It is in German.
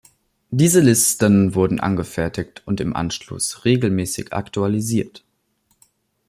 Diese Listen wurden angefertigt und im Anschluss regelmäßig aktualisiert.